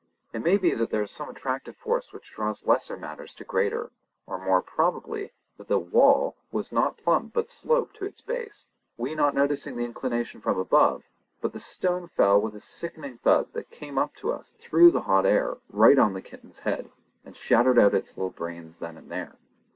It may be that there is some attractive force which draws lesser matters to greater; or more probably that the wall was not plump but sloped to its base—we not noticing the inclination from above; but the stone fell with a sickening thud that came up to us through the hot air, right on the kitten's head, and shattered out its little brains then and there.